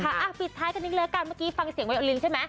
หลังจากนี้และกันฟังเสียงวัยออนลินใช่ไหม